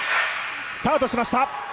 スタートしました。